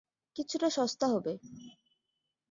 কিছুটা সস্তা হবে।